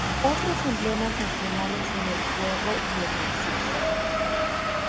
Otros emblemas nacionales son el puerro y el narciso.